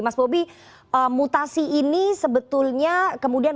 mas bobi mutasi ini sebetulnya kemudian menurut anda